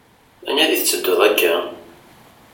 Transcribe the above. Anida i tetteddud akka?